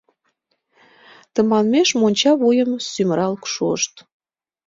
Тыманмеш монча вуйым сӱмырал шуышт.